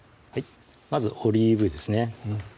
まずオリーブ油ですね